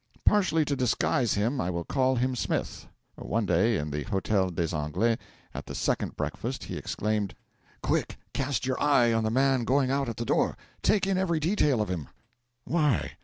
Partially to disguise him I will call him Smith. One day, in the Hotel des Anglais, at the second breakfast, he exclaimed: 'Quick! Cast your eye on the man going out at the door. Take in every detail of him.' 'Why?'